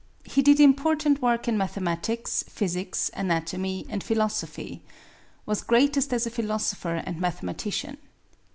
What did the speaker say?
He did important work in mathematics, physics, anatomy, and philosophy. Was greatest as a philosopher and mathematician.